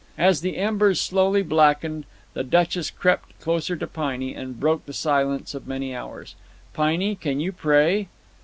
As the embers slowly blackened, the Duchess crept closer to Piney, and broke the silence of many hours: "Piney, can you pray?"